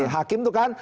hakim itu kan